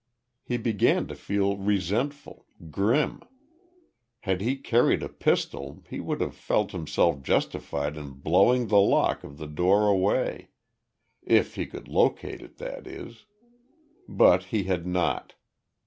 He began to feel resentful grim. Had he carried a pistol he would have felt himself justified in blowing the lock of the door away if he could locate it, that is. But he had not.